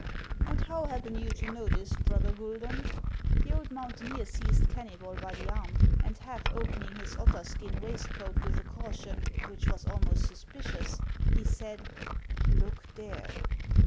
" And how happen you to know this, brother Guidon ?" The old mountaineer seized Kennybol by the arm, and half opening his otter skin waistcoat with a caution which was almost suspicious, he said, " Look there